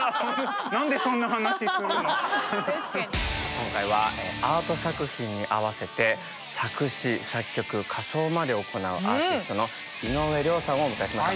今回はアート作品に合わせて作詞作曲仮装まで行うアーティストの井上涼さんをお迎えしました。